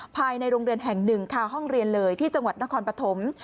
ภายในโรงเรียนแห่งหนึ่งค่ะห้องเรียนเลยที่จังหวัดนครปฐม